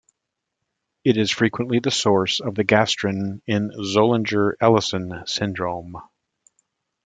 It is frequently the source of the gastrin in Zollinger-Ellison syndrome.